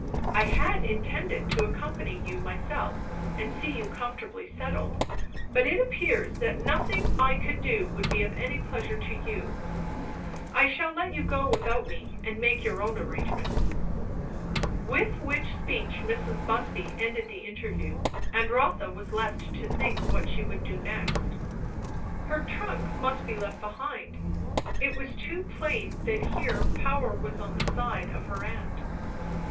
I had intended to accompany you myself and see you comfortably settled; but it appears that nothing I could do would be of any pleasure to you. I shall let you go without me and make your own arrangements." With which speech Mrs. Busby ended the interview; and Rotha was left to think what she would do next. Her trunk must be left behind. It was too plain that here power was on the side of her aunt.